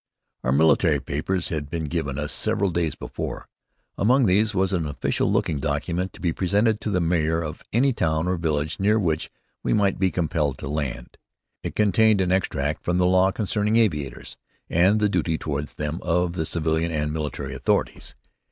Our military papers had been given us several days before. Among these was an official looking document to be presented to the mayor of any town or village near which we might be compelled to land. It contained an extract from the law concerning aviators, and the duty toward them of the civilian and military authorities.